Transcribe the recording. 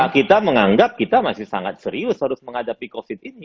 kita menganggap kita masih sangat serius harus menghadapi covid ini